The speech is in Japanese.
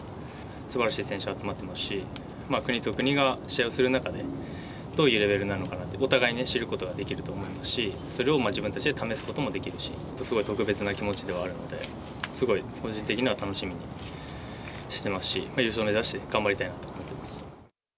すばらしい選手が集まってますし、国と国が試合をする中で、どういうレベルなのか、お互いに知ることができると思いますし、それを自分たちで試すこともできるし、すごい特別な気持ちではあるので、すごい個人的には楽しみにしてますし、優勝目指して頑張りたいなと思っています。